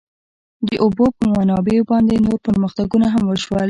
د اوبو په منابعو باندې نور پرمختګونه هم وشول.